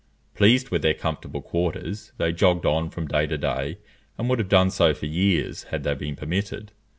Pleased with their comfortable quarters, they jogged on from day to day, and would have done so for years, had they been permitted.